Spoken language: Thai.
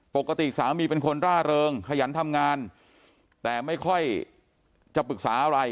ปกติสามีเป็นคนร่าเริงขยันทำงานแต่ไม่ค่อยจะปรึกษาอะไร